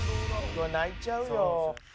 「うわ泣いちゃうよ」